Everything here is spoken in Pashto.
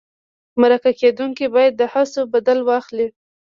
مرکه کېدونکی باید د هڅو بدل واخلي.